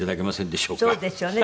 そうですよね。